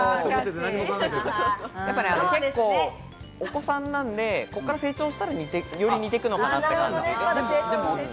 お子さんなんで、こっから成長をしたらより似ていくのかなって。